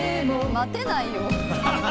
待てない。